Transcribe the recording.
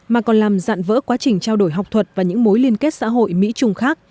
mà còn làm dạn vỡ quá trình trao đổi học thuật và những mối liên kết xã hội mỹ trung khác